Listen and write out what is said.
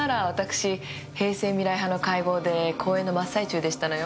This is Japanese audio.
平成未来派の会合で講演の真っ最中でしたのよ。